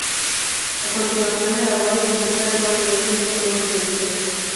A continuación, elabora y publica anualmente un informe financiero.